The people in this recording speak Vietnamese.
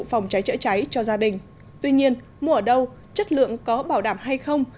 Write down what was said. phòng cháy chữa cháy cho gia đình tuy nhiên mua ở đâu chất lượng có bảo đảm hay không